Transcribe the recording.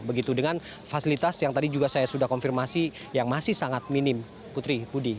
begitu dengan fasilitas yang tadi juga saya sudah konfirmasi yang masih sangat minim putri budi